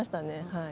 はい。